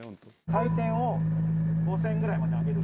回転を５０００ぐらいまで上げる。